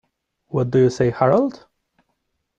What do you say, Harold?